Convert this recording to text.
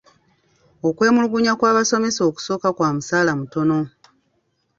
Okwemulugunya kw'abasomesa okusooka kwa musaala mutono.